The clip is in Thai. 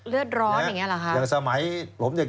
เลือดร้อนอย่างนี้เหรอครับอย่างสมัย